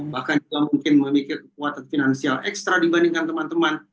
bahkan juga mungkin memiliki kekuatan finansial ekstra dibandingkan teman teman